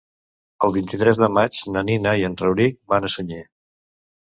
El vint-i-tres de maig na Nina i en Rauric van a Sunyer.